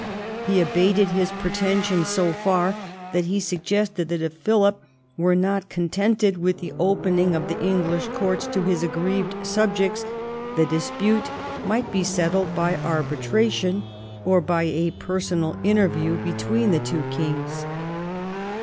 He abated his pre tensions so far that he suggested that, if Philip were not contented with the opening of the English courts to his aggrieved subjects, the dispute might be settled by ; rbi tration, or by a personal interview between the two kings.